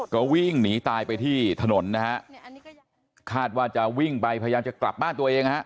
ก็วิ่งหนีตายไปที่ถนนนะฮะคาดว่าจะวิ่งไปพยายามจะกลับบ้านตัวเองนะฮะ